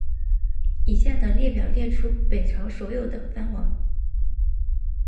以下的列表列出北朝所有的藩王。